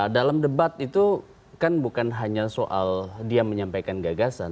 dalam debat itu kan bukan hanya soal dia menyampaikan gagasan